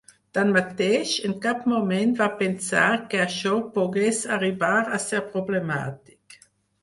Tanmateix, en cap moment va pensar que això pogués arribar a ser problemàtic.